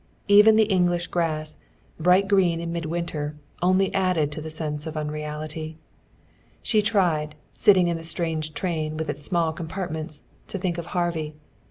Even the English grass, bright green in midwinter, only added to the sense of unreality. She tried, sitting in the strange train with its small compartments, to think of Harvey.